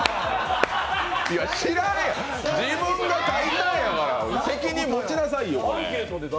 知らん、自分が書いたんやから責任持ちなさいよ。